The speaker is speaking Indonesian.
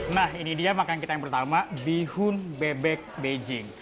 nah ini dia makanan kita yang pertama bihun bebek beijing